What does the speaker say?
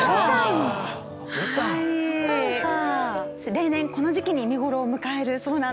例年この時期に見頃を迎えるそうなんです。